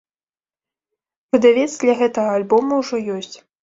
Выдавец для гэтага альбому ўжо ёсць.